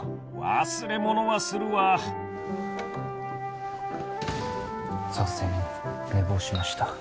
忘れ物はするわさせん寝坊しました。